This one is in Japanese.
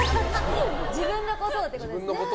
自分のことをってことですね。